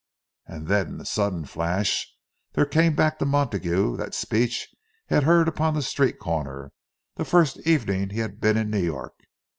And then, in a sudden flash, there came back to Montague that speech he had heard upon the street corner, the first evening he had been in New York!